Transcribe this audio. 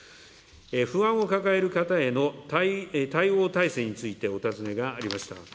不安を抱える方への対応体制についてお尋ねがありました。